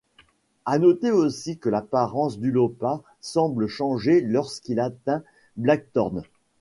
À noter aussi que l'apparence d'Ulopa semble changer lorsqu'il atteint Blackthorn.